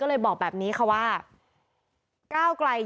ไปเลยบอกแบบนี้ว่าประมงกลัวงานก่าวใกล้พอ